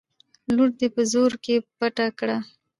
لور دې په زرو کې پټه کړه.